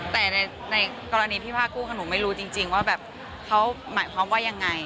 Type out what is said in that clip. แต่ในกรณีพี่ผ้ากู้คือหนูไม่รู้จริงว่าแบบเขาหมายความว่ายังไง